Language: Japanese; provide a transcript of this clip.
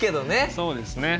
そうですね。